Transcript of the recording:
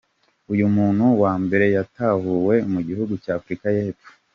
Uyu muntu wa mbere yatahuwe mu gihugu cya Afurika y’Epfo.